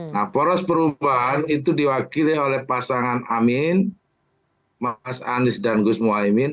nah poros perubahan itu diwakili oleh pasangan amin mas anies dan gus muhaymin